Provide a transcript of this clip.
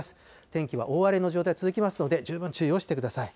天気は大荒れの状態続きますので、十分注意してください。